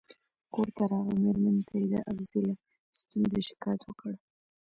کور ته راغی او مېرمنې ته یې د اغزي له ستونزې شکایت وکړ.